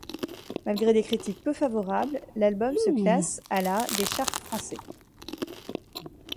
Malgré des critiques peu favorables, l'album se classe à la des charts français.